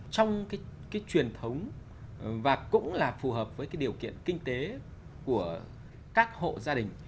trong cái truyền thống và cũng là phù hợp với cái điều kiện kinh tế của các hộ gia đình